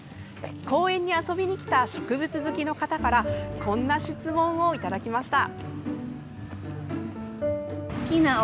公園に遊びに来た植物好きの方からこんな質問をいただきました。